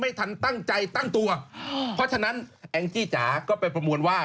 ทันตั้งใจตั้งตัวเพราะฉะนั้นแองจี้จ๋าก็ไปประมวลว่า